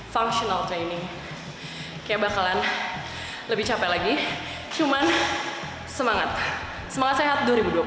functional training kayak bakalan lebih capek lagi cuman semangat semangat sehat dua ribu dua puluh satu